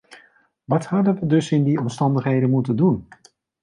Wat hadden we dus in die omstandigheden moeten doen?